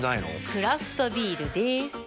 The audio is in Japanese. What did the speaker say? クラフトビールでーす。